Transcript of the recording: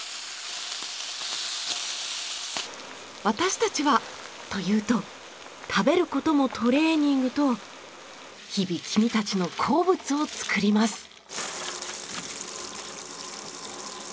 私たちはというと「食べる事もトレーニング」と日々君たちの好物を作ります。